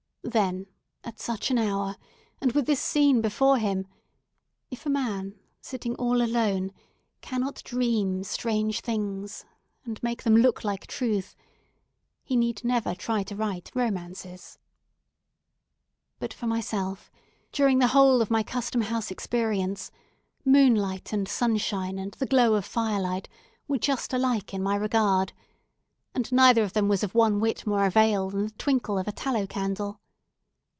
Then, at such an hour, and with this scene before him, if a man, sitting all alone, cannot dream strange things, and make them look like truth, he need never try to write romances. But, for myself, during the whole of my Custom House experience, moonlight and sunshine, and the glow of firelight, were just alike in my regard; and neither of them was of one whit more avail than the twinkle of a tallow candle.